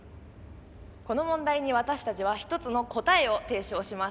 この問題に私たちは一つの答えを提唱します。